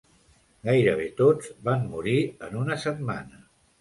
Gairebé tots van morir en una setmana.